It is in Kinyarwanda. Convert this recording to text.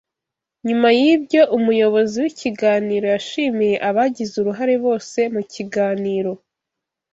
Nyuma y’ibyo umuyobozi w’ikiganiro yashimiye abagize uruhare bose mu kiganiro